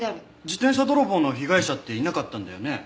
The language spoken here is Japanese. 自転車泥棒の被害者っていなかったんだよね？